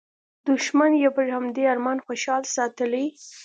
دوښمن یې پر همدې ارمان خوشحال ساتلی.